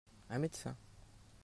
Un médecin.